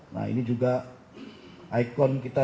nah ini juga ikon kita